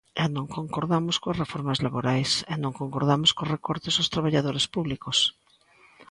E non concordamos coas reformas laborais, e non concordamos cos recortes aos traballadores públicos.